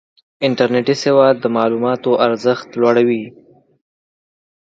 انټرنېټي سواد د معلوماتو ارزښت لوړوي.